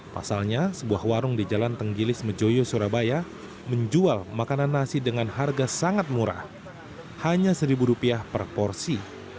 pasalnya sebuah warung di jalan tenggilis mejoyo surabaya menjual makanan nasi dengan harga sangat murah hanya seribu rupiah per porsi